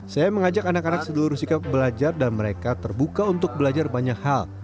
saya mengajak anak anak seluruh sikap belajar dan mereka terbuka untuk belajar banyak hal